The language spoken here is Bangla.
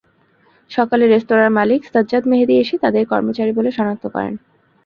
সকালে রেস্তোরাঁর মালিক সাজ্জাদ মেহেদী এসে তাঁদের কর্মচারী বলে শনাক্ত করেন।